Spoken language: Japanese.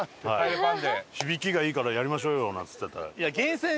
響きがいいからやりましょうよなんて言ってたら。